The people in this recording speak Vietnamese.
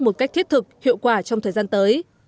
một cách thiết thực hiệu quả trong thời gian tới